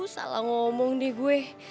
salah ngomong deh gue